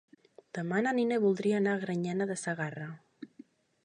Demà na Nina voldria anar a Granyena de Segarra.